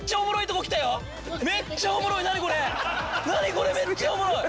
これめっちゃおもろい！